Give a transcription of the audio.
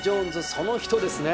その人ですね。